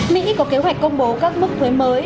mỹ có kế hoạch công bố các mức thuế mới